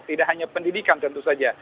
tidak hanya pendidikan tentu saja